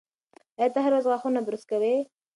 ایا ته هره ورځ غاښونه برس کوې؟